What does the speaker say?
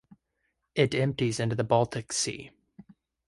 It empties into the Baltic Sea.